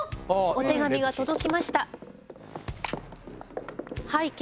お手紙が届きました。